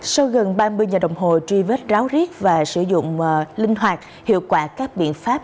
sau gần ba mươi giờ đồng hồ truy vết ráo riết và sử dụng linh hoạt hiệu quả các biện pháp